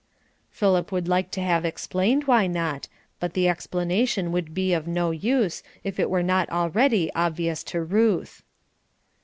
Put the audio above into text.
Philip would like to have explained why not, but the explanation would be of no use if it were not already obvious to Ruth.